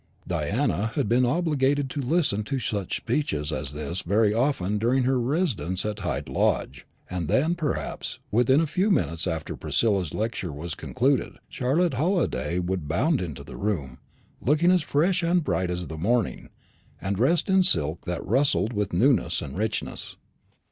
Diana had been obliged to listen to such speeches as this very often during her first residence at Hyde Lodge, and then, perhaps, within a few minutes after Priscilla's lecture was concluded, Charlotte Halliday would bound into the room, looking as fresh and bright as the morning, and dressed in silk that rustled with newness and richness.